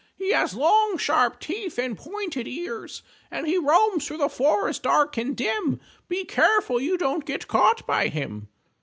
He has long sharp teeth and pointed ears, And he roams through the forest dark and dim. Be careful you don't get caught by him!